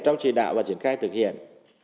trong chỉ đạo và triển khai thực hiện